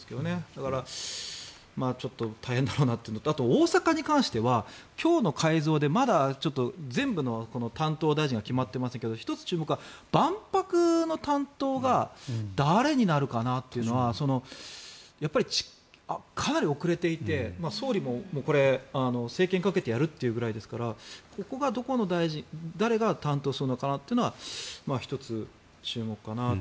だから、ちょっと大変だろうなというのとあとは大阪に関しては今日の改造でまだ全部の担当大臣が決まっていませんけど１つ注目は万博の担当が誰になるかなというのがやっぱりかなり遅れていて総理も、政権をかけてやるというくらいですからここが誰が担当するのかなってのは１つ注目かなと。